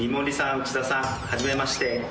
内田さん初めまして。